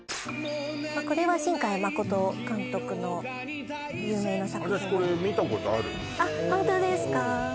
これは新海誠監督の有名な作品私これ見たことあるあっホントですか？